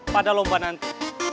pada lomba nanti